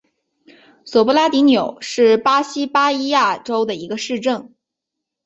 索布拉迪纽是巴西巴伊亚州的一个市镇。